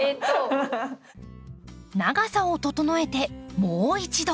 長さを整えてもう一度！